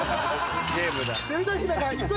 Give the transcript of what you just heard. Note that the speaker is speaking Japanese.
ゲームだ。